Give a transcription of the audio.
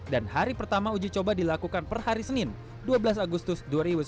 dan hari pertama uji coba dilakukan per hari senin dua belas agustus dua ribu sembilan belas